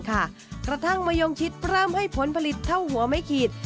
กระทั่งมะยงชิดเพิ่มให้ผลผลิตเท่าหัวไม่ขีด